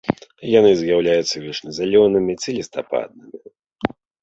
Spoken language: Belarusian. Яны з'яўляюцца вечназялёнымі ці лістападнымі.